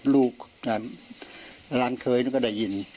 ลูกการหลานเคยก็ได้ยิน